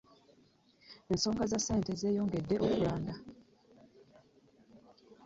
Ensonga za ssente zeyongedde okulanda